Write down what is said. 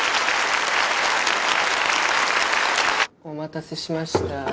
お待たせしました。